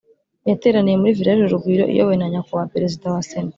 Yateraniye muri village urugwiro iyobowe na nyakubahwa perezida wa sena